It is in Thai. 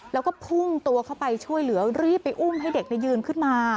แล้วก็พุ่งตัวเข้าไปช่วยเหลือรีบไปอุ้มให้เด็กยืนขึ้นมา